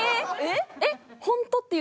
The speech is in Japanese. えっ！？